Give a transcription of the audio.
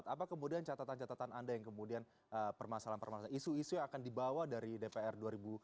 apa kemudian catatan catatan anda yang kemudian permasalahan permasalahan isu isu yang akan dibawa dari dpr dua ribu dua puluh